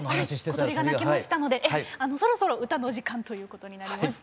小鳥が鳴きましたのでそろそろ歌のお時間ということになります。